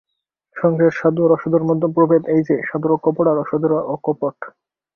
সংসারে সাধু অসাধুর মধ্যে প্রভেদ এই যে, সাধুরা কপট আর অসাধুরা অকপট।